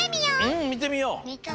うんみてみよう！